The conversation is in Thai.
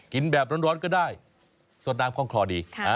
กินแบบร้อนก็ได้สดน้ำคล่องคลอดี